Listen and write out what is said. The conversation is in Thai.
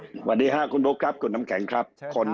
สวัสดีค่ะคุณบุ๊คครับคุณน้ำแข็งครับ